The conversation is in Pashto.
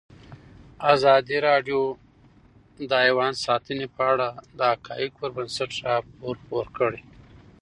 ازادي راډیو د حیوان ساتنه په اړه د حقایقو پر بنسټ راپور خپور کړی.